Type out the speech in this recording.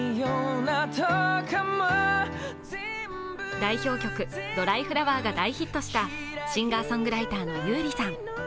代表曲「ドライフラワー」が大ヒットしたシンガーソングライターの優里さん。